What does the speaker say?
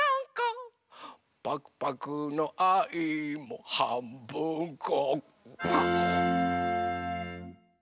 「パクパクのあいもはんぶんこ」